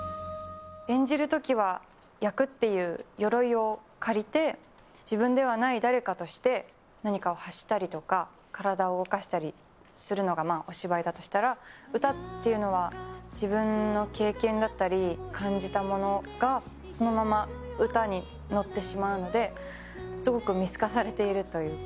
演じるときは、役っていうよろいを借りて、自分ではない誰かとして、何かを発したりとか、体を動かしたりするのがお芝居だとしたら、歌っていうのは、自分の経験だったり、感じたものが、そのまま歌に乗ってしまうので、すごく見透かされているというか。